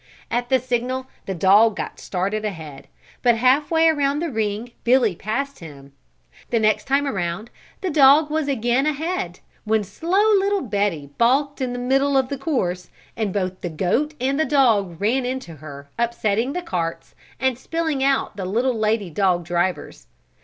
At the signal the dog got started ahead, but half way around the ring Billy passed him; the next time around, the dog was again ahead, when slow little Betty balked in the middle of the course and both the goat and dog ran into her upsetting the carts and spilling out the little lady dog drivers.